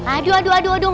aduh aduh aduh aduh